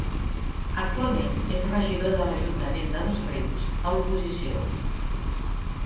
Actualment és regidor de l'Ajuntament de Dosrius a l'oposició.